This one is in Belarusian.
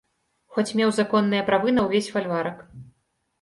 Хоць меў законныя правы на ўвесь фальварак.